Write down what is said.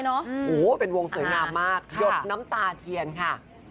โอ้โหเป็นวงสวยงามมากหยดน้ำตาเทียนค่ะ